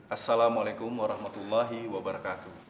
assalamualaikum warahmatullahi wabarakatuh